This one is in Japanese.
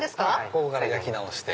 ここから焼き直して。